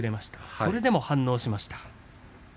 それでも反応しました。